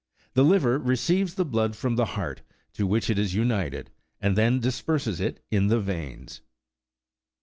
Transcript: The liver receives the blood from the heart, to which it is united, and then disperses it in the veins.